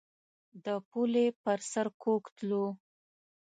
د پولې پر سر کوږ تلو.